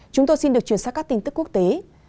chúng tôi xin được chuyển sang các tin tức quốc tế